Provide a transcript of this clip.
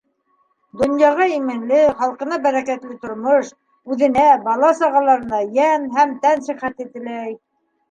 Донъяға именлек, халҡына бәрәкәтле тормош, үҙенә, бала- сағаларына йән һәм тән сихәте теләй.